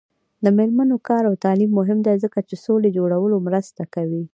د میرمنو کار او تعلیم مهم دی ځکه چې سولې جوړولو مرسته کوي.